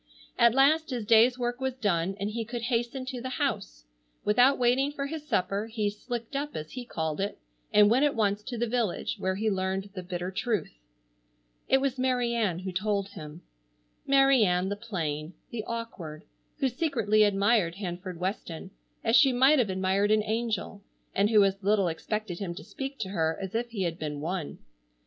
At last his day's work was done and he could hasten to the house. Without waiting for his supper, he "slicked up," as he called it, and went at once to the village, where he learned the bitter truth. It was Mary Ann who told him. Mary Ann, the plain, the awkward, who secretly admired Hanford Weston as she might have admired an angel, and who as little expected him to speak to her as if he had been one.